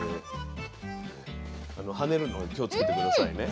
跳ねるので気をつけて下さいね。